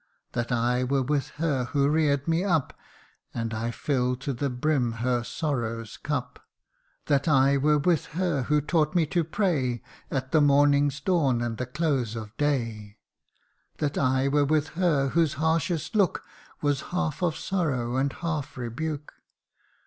That I were with her who rear'd me up (And I fill'd to the brim her sorrow's cup) That I were with her who taught me to pray At the morning's dawn and the close of day That I were with her whose harshest look Was half of sorrow and half rebuke.